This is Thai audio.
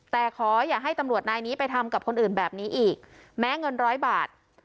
แต่ขออย่าให้ตำรวจนายนี้ไปทำกับคนอื่นแบบนี้อีกแม้เงินร้อยบาท